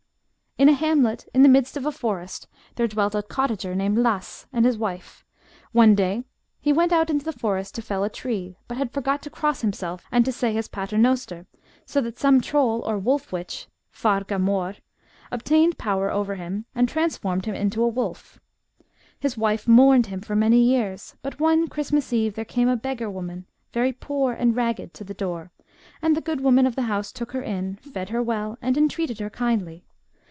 In a hamlet in the midst of a forest, there dwelt a cottager named Lasse, and his wife. One day he went out in the forest to fell a tree, but had forgot to cross himself and say his paternoster, so that some troll or wolf witch (varga mor) obtained power over him and transformed him into a wolf. His wife mourned him for many years, but, one Christmas eve, there came a beggar woman, very poor and ragged, to the door, and the good woman of the house took her in, fed her well, and entreated her kindly.